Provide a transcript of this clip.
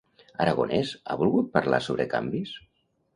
Aragonès ha volgut parlar sobre canvis?